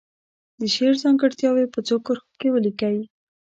د شعر ځانګړتیاوې په څو کرښو کې ولیکي.